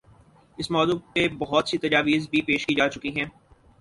اس موضوع پہ بہت سی تجاویز بھی پیش کی جا چکی ہیں۔